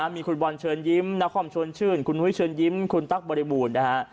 มีคุณบอลเชิญยิ้มนครชวนชื่นคุณนุ้ยเชิญยิ้มคุณตั๊กบริบูรณ์นะฮะ